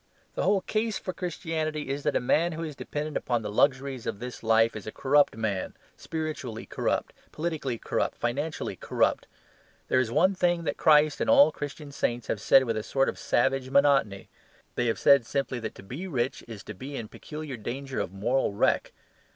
The whole case for Christianity is that a man who is dependent upon the luxuries of this life is a corrupt man, spiritually corrupt, politically corrupt, financially corrupt. There is one thing that Christ and all the Christian saints have said with a sort of savage monotony. They have said simply that to be rich is to be in peculiar danger of moral wreck.